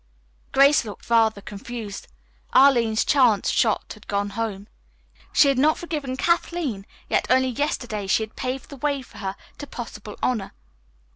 Grace looked rather confused. Arline's chance shot had gone home. She had not forgiven Kathleen, yet only yesterday she had paved the way for her to possible honor.